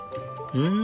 うん！